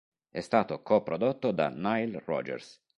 È stato co-prodotto da Nile Rodgers.